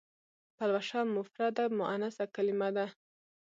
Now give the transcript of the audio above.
پلوشه مفرده مونثه کلمه ده.